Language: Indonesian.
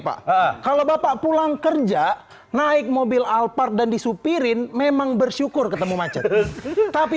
pak kalau bapak pulang kerja naik mobil alphard dan disupirin memang bersyukur ketemu macet tapi